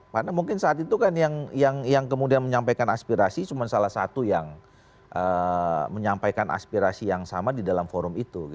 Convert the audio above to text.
karena mungkin saat itu kan yang kemudian menyampaikan aspirasi cuma salah satu yang menyampaikan aspirasi yang sama di dalam forum itu